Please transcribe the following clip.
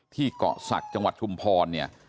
เกาะศักดิ์จังหวัดชุมพรเนี่ย